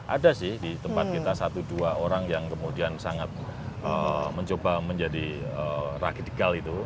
ada sih di tempat kita satu dua orang yang kemudian sangat mencoba menjadi radikal itu